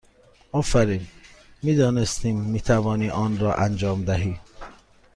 آفرین! می دانستیم می توانی آن را انجام دهی!